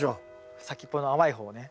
先っぽの甘いほうをね。